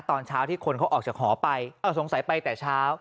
ตอนเช้าที่คนเขาออกจากหอไปสงสัยไปแต่เช้า